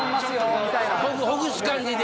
ほぐす感じで。